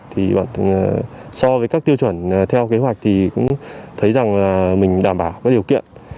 thì bản thân so với các tiêu chuẩn theo kế hoạch thì cũng thấy rằng là mình đảm bảo có điều kiện